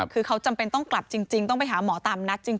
คือเขาจำเป็นต้องกลับจริงต้องไปหาหมอตามนัดจริง